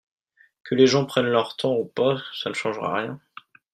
Que les gens prennent leur temps ou pas ça ne changera rien.